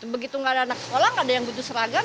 begitu nggak ada anak sekolah nggak ada yang butuh seragam